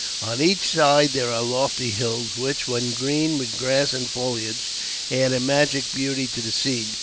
On each side there are lofty hills, which, when green with grass and foliage, add a magic beauty to the scene.